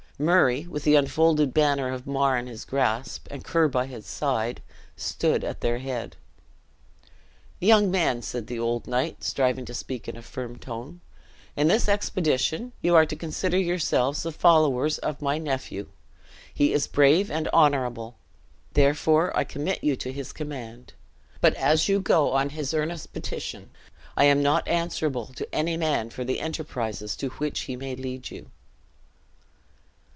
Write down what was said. Murray, with the unfolded banner of Mar in his grasp, and Ker by his side, stood at their head. "Young men," said the old knight, striving to speak in a firm tone, "in this expedition you are to consider yourselves the followers of my nephew; he is brave and honourable, therefore I commit you to his command. But as you go on his earnest petition, I am not answerable to any man for the enterprises to which he may lead you."